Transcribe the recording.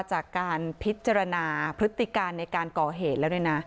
จากการพิจารณาพฤติการในการก่อเหตุแล้วด้วยนะ